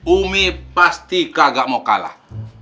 umi pasti gagal mau kalah